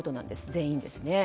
全員ですね。